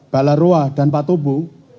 balaroa dan patobo